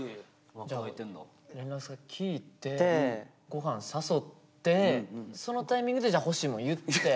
じゃあ連絡先聞いて御飯誘ってそのタイミングで欲しいもん言って。